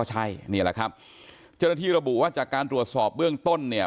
เจริญาที่ระบุว่าจากการตรวจสอบเรื่องต้นเนี่ย